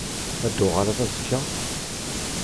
Ad d-tuɣaleḍ azekka?